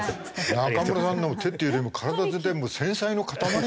中村さんの手っていうよりも体全体もう繊細の塊みたいな。